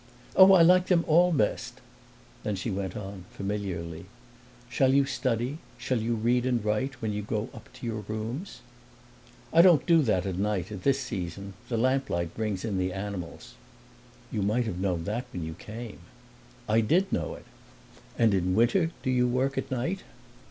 "Oh, I like them all best!" Then she went on, familiarly: "Shall you study shall you read and write when you go up to your rooms?" "I don't do that at night, at this season. The lamplight brings in the animals." "You might have known that when you came." "I did know it!" "And in winter do you work at night?"